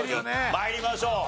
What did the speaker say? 参りましょう。